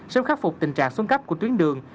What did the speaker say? sẽ khắc phục tình trạng xuân cấp của tuyến đường